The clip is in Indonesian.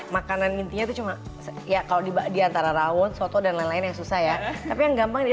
makanan intinya itu cuma ya kalau di antara rawon soto dan lain lain yang susah ya tapi yang gampang di